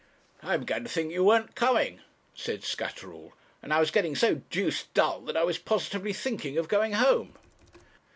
'I began to think you weren't coming,' said Scatterall, 'and I was getting so deuced dull that I was positively thinking of going home.'